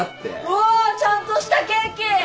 うわ！ちゃんとしたケーキ！